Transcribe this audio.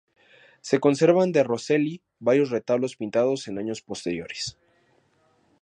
Se conservan de Roselli varios retablos pintados en años posteriores.